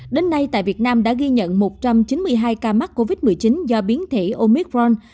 đến nay tại việt nam đã ghi nhận một trăm chín mươi hai ca mắc covid một mươi chín do biến thể omicron